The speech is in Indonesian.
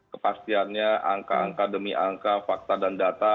kepastiannya angka angka demi angka fakta dan data